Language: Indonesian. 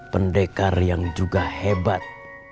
pendekar yang juga hebat